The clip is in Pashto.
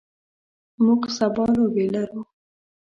موږ سبا لوبې لرو.